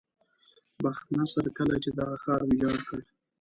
بخت نصر کله چې دغه ښار ویجاړ کړ.